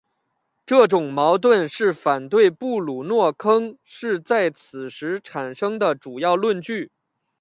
这种矛盾是反对布鲁诺坑是在此时产生的主要论据。